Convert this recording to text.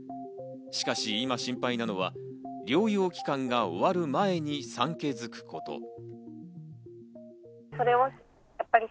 しかし今心配なのは療養期間が終わる前に産気づくこと。